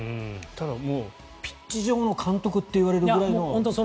もうピッチ上の監督といわれるくらいの。